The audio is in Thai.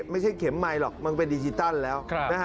ไม่ใช่เข็มไมค์หรอกมันเป็นดิจิตัลแล้ว